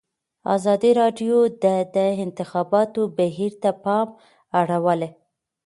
ازادي راډیو د د انتخاباتو بهیر ته پام اړولی.